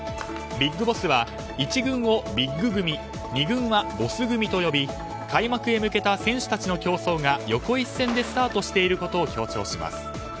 ビッグボスは１軍をビッグ組２軍はボス組と呼び開幕に向けた選手たちの競争が横一線でスタートしていることを強調します。